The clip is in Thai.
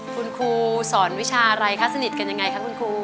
คุณครูสอนวิชาอะไรคะสนิทกันยังไงคะคุณครู